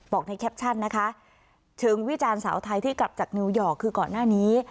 ในแคปชั่นนะคะเชิงวิจารณ์สาวไทยที่กลับจากนิวยอร์กคือก่อนหน้านี้